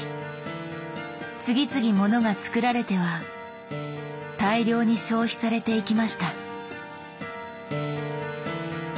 次々モノがつくられては大量に消費されていきました。